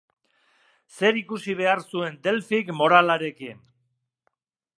Zer ikusi behar zuen Delfik moralarekin?